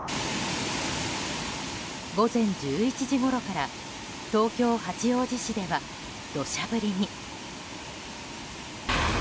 午前１１時ごろから東京・八王子市では土砂降りに。